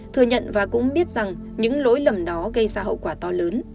thừa nhận và cũng biết rằng những lỗi lầm đó gây ra hậu quả to lớn